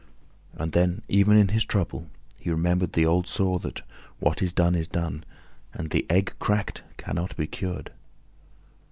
And then, even in his trouble, he remembered the old saw that "What is done is done; and the egg cracked cannot be cured."